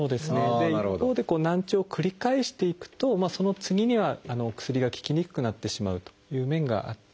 で一方でこう難聴を繰り返していくとその次には薬が効きにくくなってしまうという面がありますね。